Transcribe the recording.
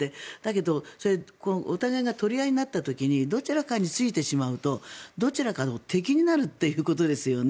だけどお互いが取り合いになった時にどちらかについてしまうとどちらかの敵になるということですよね。